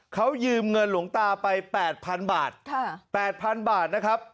เขายืมเงินหลวงตาไป๘๐๐๐บาท๘๐๐๐บาทนะครับ